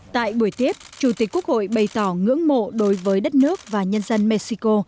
tại buổi tiếp chủ tịch quốc hội bày tỏ ngưỡng mộ đối với đất nước và nhân dân mexico